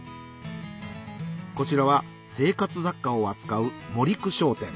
こちらは生活雑貨を扱う森九商店